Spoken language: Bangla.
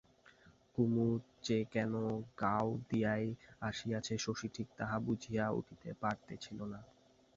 কুমুদ যে কেন গাওদিয়ায় আসিয়াছে শশী ঠিক তাহা বুঝিয়া উঠিতে পারিতেছিল না।